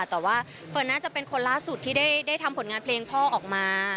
แต่ว่าเฟิร์นน่าจะเป็นคนล่าสุดที่ได้ทำผลงานเพลงพ่อออกมา